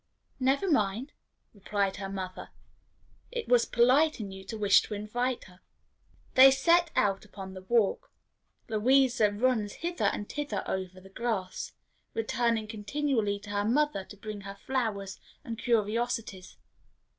"Never mind," replied her mother; "it was polite in you to wish to invite her." They set out upon the walk. Louisa runs hither and thither over the grass, returning continually to her mother to bring her flowers and curiosities.